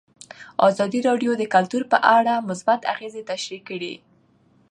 ازادي راډیو د کلتور په اړه مثبت اغېزې تشریح کړي.